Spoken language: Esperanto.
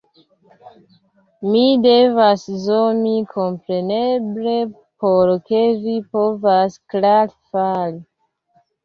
Mi devas zomi, kompreneble, por ke vi povas klare fari